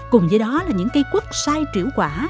cùng với đó là những cây quất sai triệu quả